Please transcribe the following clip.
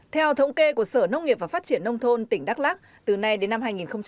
theo thống kê của sở nông nghiệp và phát triển nông thôn tỉnh đắk lắc từ nay đến năm hai nghìn hai mươi